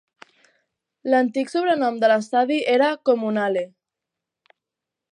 L'antic sobrenom de l'estadi era "Comunale".